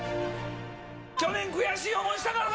去年、悔しい思いしたからな。